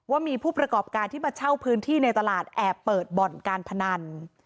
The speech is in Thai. ว่ามีผู้ประกอบการที่มาเช่าพื้นที่ในตลาดแอบเปิดบ่อนการพนัน